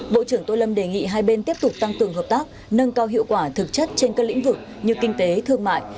bộ trưởng tô lâm đề nghị hai bên tiếp tục tăng cường hợp tác nâng cao hiệu quả thực chất trên các lĩnh vực như kinh tế thương mại